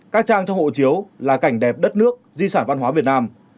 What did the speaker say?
các trang cho hộ chiếu là cảnh đẹp đất nước di sản văn hóa việt nam